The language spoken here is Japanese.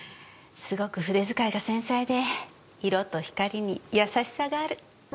すごく筆遣いが繊細で色と光に優しさがある。